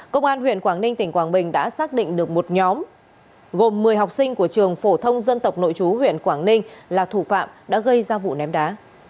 công an huyện quảng ninh tỉnh quảng bình đã xác định được một mươi học sinh của trường phổ thông dân tộc nội chú huyện quảng ninh là thủ phạm đã gây ra vụ ném đá